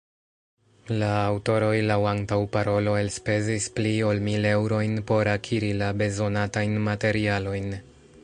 la aŭtoroj laŭ antaŭparolo elspezis pli ol mil eŭrojn por akiri la bezonatajn materialojn.